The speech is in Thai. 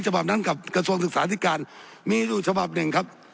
ฉบับนั้นกับกระทรวงศึกษาธิการมีอยู่ฉบับหนึ่งครับ